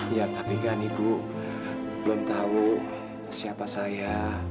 ya tapi kan ibu belum tahu siapa saya